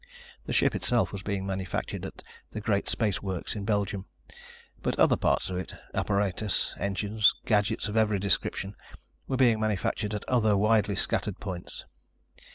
The ship itself was being manufactured at the great Space Works in Belgium, but other parts of it, apparatus, engines, gadgets of every description, were being manufactured at other widely scattered points.